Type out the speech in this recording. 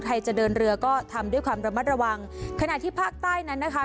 จะเดินเรือก็ทำด้วยความระมัดระวังขณะที่ภาคใต้นั้นนะคะ